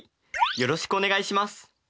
よろしくお願いします！